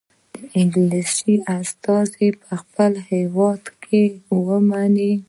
انګلیس استازی په خپل هیواد کې ومنئ.